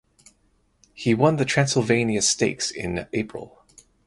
He won the Transylvania Stakes in April.